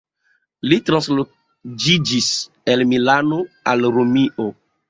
Li transloĝiĝis el Milano al Romio.